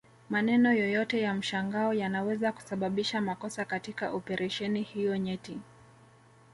Maneno yoyote ya mshangao yanaweza kusababisha makosa katika operesheni hiyo nyeti